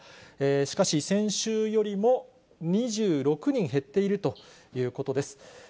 しかし先週よりも、２６人減っているということです。